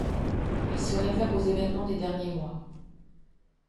Il se réfère aux événements des derniers mois.